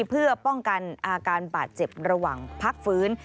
เพื่อป้องกันอาการบาดเจ็บระหว่างพักฟื้น